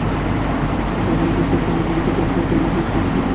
তারপর পুলিশ প্রশাসনও সাংবাদিকদের কেন্দ্রে প্রবেশ নিয়ে নানা নিষেধাজ্ঞা আরোপ করে।